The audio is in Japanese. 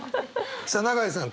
さあ永井さん